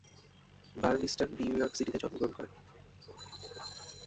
Bernstein New York সিটিতে জন্মগ্রহণ করেন।